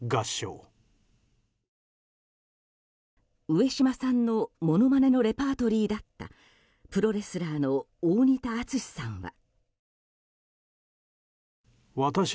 上島さんのものまねのレパートリーだったプロレスラーの大仁田厚さんは。